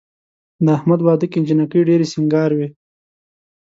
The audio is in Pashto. د احمد واده کې جینکۍ ډېرې سینګار وې.